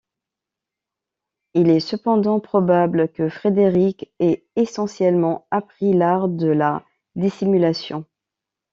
Il est cependant probable que Frédéric ait essentiellement appris l'art de la dissimulation.